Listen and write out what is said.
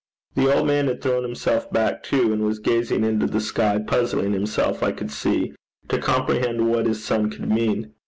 The old man had thrown himself back too, and was gazing into the sky, puzzling himself, I could see, to comprehend what his son could mean.